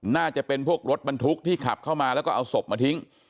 น่าจะเป็นพวกรถบรรทุกที่ขับเข้ามาแล้วก็เอาศพมาทิ้ง